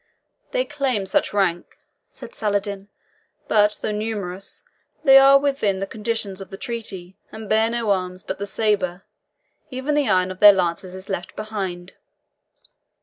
"They claim such rank," said Saladin; "but though numerous, they are within the conditions of the treaty, and bear no arms but the sabre even the iron of their lances is left behind."